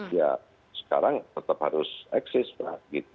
ya sekarang tetap harus eksis pak